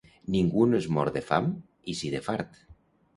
Ningú no es mor de fam, i sí de fart.